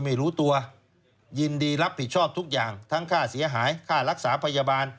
ไม่รู้ตัวยินดีรับผิดชอบทุกอย่างทั้งค่าเสียหายค่ารักษาพยาบาล